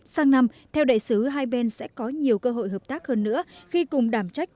sáng năm theo đại sứ hai bên sẽ có nhiều cơ hội hợp tác hơn nữa khi cùng đảm trách